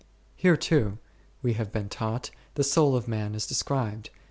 Here too (we have been taught) the soul of man is described.